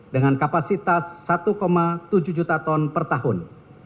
dengan kapasitas satu tujuh juta ton per tahun